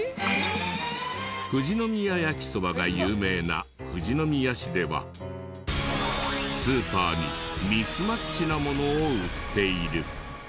富士宮やきそばが有名な富士宮市ではスーパーにミスマッチなものを売っている。